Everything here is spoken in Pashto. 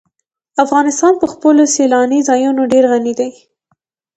افغانستان په خپلو سیلاني ځایونو ډېر غني هېواد دی.